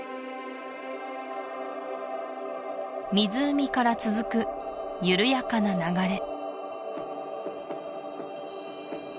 湖から続く緩やかな流れ